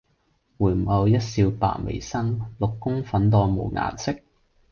回眸一笑百媚生，六宮粉黛無顏色。